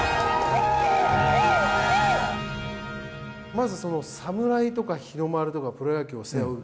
まずその侍とか日の丸とかプロ野球を背負う。